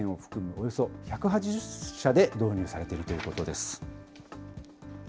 およそ１８０社で導入されているということです。